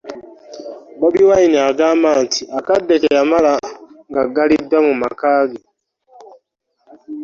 Bobi Wine agamba nti akadde ke yamala ng'aggaliddwa mu maka ge